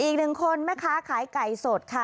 อีกหนึ่งคนแม่ค้าขายไก่สดค่ะ